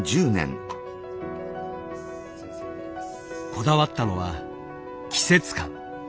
こだわったのは季節感。